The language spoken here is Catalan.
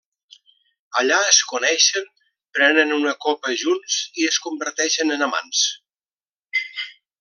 Allà, es coneixen, prenen una copa junts i es converteixen en amants.